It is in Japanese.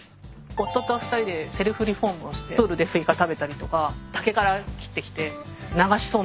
夫と２人でセルフリフォームをしてプールでスイカ食べたりとか竹から切ってきて流しそうめんやったりとか。